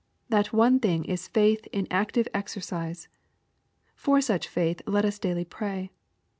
That one thing is faith in active exercise For such faith let us daily pray.